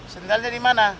sendalnya di mana